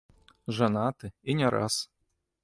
Жанаты, і не раз.